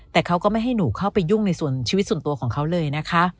แต่เขาก็ไม่ให้หนูยุ่งในชีวิตส่วนตัวเลยนะคะ